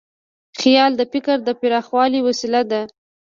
خیال د فکر د پراخوالي وسیله ده.